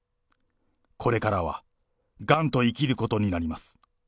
これからはがんと生きることになります。